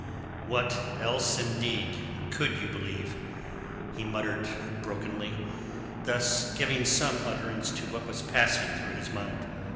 "What else, indeed, could you believe?" he muttered brokenly, thus giving some utterance to what was passing through his mind.